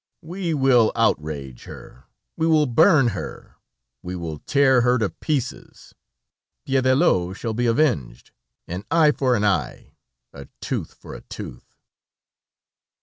"We will outrage her! We will burn her! We will tear her to pieces! Piédelot shall be avenged, an eye for an eye, a tooth for a tooth!"